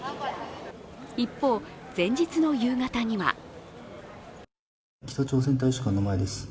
一方、前日の夕方には北朝鮮大使館の前です。